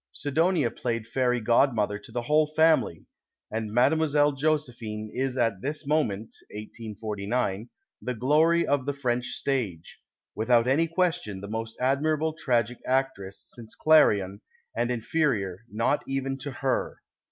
* Sidonia played fairy godmother to the whole family, and 151 PASTICHE AND PREJUDICE " Mile. Josephine is at this moment the glory of the French stage ; Avithout any question the most adnnrable tragic actress since Clairon, and inferior not even to her."